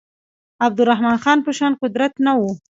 عبدالرحمن خان په شان قدرت نه وو.